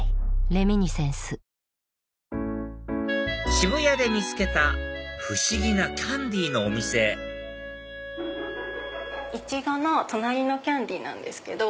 渋谷で見つけた不思議なキャンディーのお店イチゴの隣のキャンディーなんですけど。